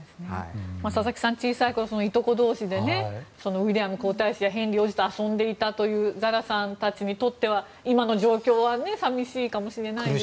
佐々木さん、小さいころいとこ同士でウィリアム皇太子やヘンリー王子と遊んでいたザラさんたちにとっては今の状況は寂しいかもしれないですね。